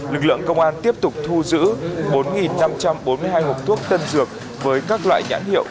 lực lượng công an tiếp tục thu giữ bốn năm trăm bốn mươi hai hộp thuốc tân dược với các loại nhãn hiệu